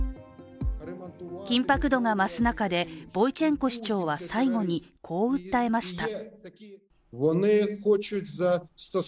緊迫度が増す中で、ボイチェンコ市長は最後にこう訴えました。